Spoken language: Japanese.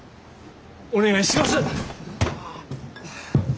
お願いします！